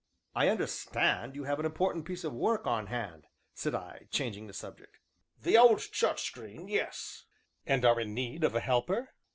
"I understand you have an important piece of work on hand," said I, changing the subject. "Th' owd church screen, yes." "And are in need of a helper?"